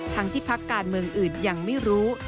ทั้งที่พักการเมืองอื่นยังไม่รู้